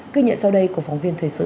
ghi nhận sau đây của phóng viên thời sự